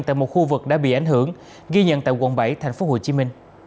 tại một khu vực đã bị ảnh hưởng ghi nhận tại quận bảy tp hcm